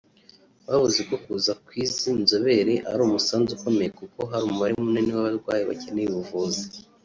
bavuze ko kuza kw’izi nzobere ari umusanzu ukomeye kuko hari umubare munini w’abarwayi bakeneye ubuvuzi